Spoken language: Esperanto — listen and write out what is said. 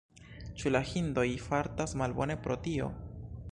Ĉu la hindoj fartas malbone pro tio?